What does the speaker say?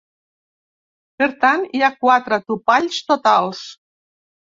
Per tant, hi ha quatre topalls totals.